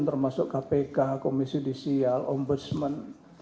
termasuk kpk komisi judisial ombudsman